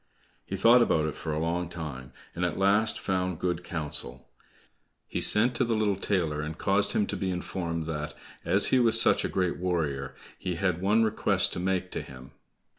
He thought about it for a long time, and at last found good counsel. He sent to the little tailor and caused him to be informed that as he was such a great warrior, he had one request to make to him.